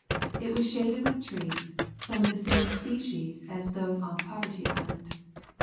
It was shaded with trees, of the same species as those on Poverty Island.